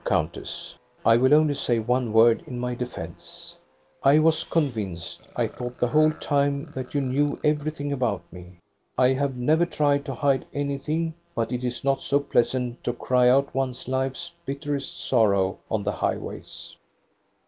Countess. I will only say one word in my defence. I was convinced, I thought the whole EBB A DOHNA'S STORY 235 time that you knew everything about me. I have never tried to hide anything; but it is not so pleasant to cry out one's life's bitterest sorrow on the high ways.